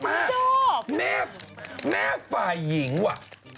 แม่ฝ่ายหญิงว่ะ